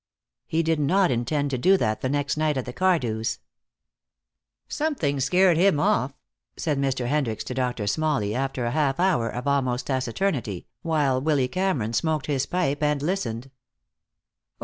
He did not intend to do that the next night, at the Cardew's. "Something's scared him off," said Mr. Hendricks to Doctor Smalley, after a half hour of almost taciturnity, while Willy Cameron smoked his pipe and listened.